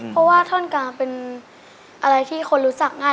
เพราะว่าท่อนกลางเป็นอะไรที่คนรู้จักง่าย